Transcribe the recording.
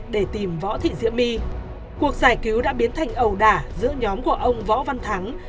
để tìm võ thị diễm my cuộc giải cứu đã biến thành ẩu đả giữa nhóm của ông võ văn thắng